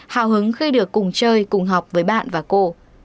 hào hứng khi được cùng chơi cùng học với bạn và cô